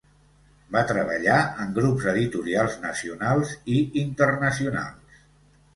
Va treballar en grups editorials nacionals i internacionals.